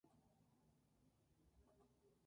Son hierbas perennes con partes pubescentes.